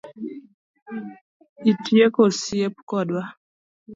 Itieko osiep kodwa?